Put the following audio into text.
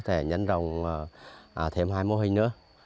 sẽ nhân rộng thêm hai mô hình nữa